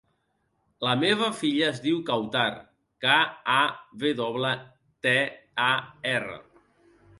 La meva filla es diu Kawtar: ca, a, ve doble, te, a, erra.